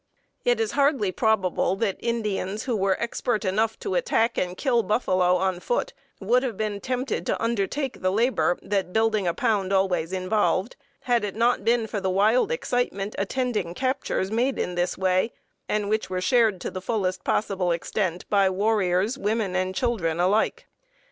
It is hardly probable that Indians who were expert enough to attack and kill buffalo on foot would have been tempted to undertake the labor that building a pound always involved, had it not been for the wild excitement attending captures made in this way, and which were shared to the fullest possible extent by warriors, women, and children alike.